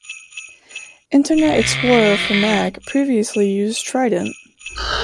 Internet Explorer for Mac previously used Trident.